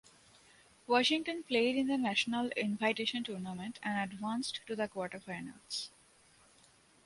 Washington played in the National Invitation Tournament and advanced to the quarterfinals.